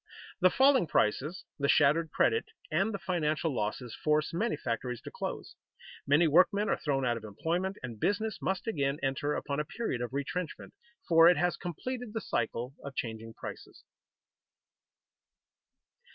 The falling prices, the shattered credit, and the financial losses force many factories to close; many workmen are thrown out of employment, and business must again enter upon a period of retrenchment, for it has completed the cycle of changing prices.